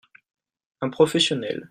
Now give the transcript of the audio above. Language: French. Un professionnel.